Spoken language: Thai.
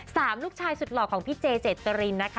ลูกชายสุดหล่อของพี่เจเจตรินนะคะ